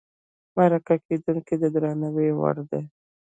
مرکه کېدونکی د درناوي وړ دی.